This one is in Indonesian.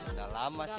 udah lama sih